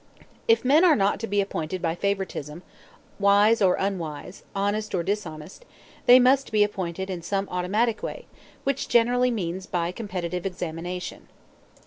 If men are not to be appointed by favoritism, wise or unwise, honest or dishonest, they must be appointed in some automatic way, which generally means by competitive examination.